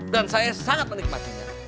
dan saya sangat menikmatinya